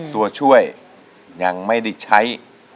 ตัวช่วยยังไม่ได้ใช้